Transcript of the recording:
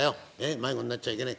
迷子になっちゃいけねえ」。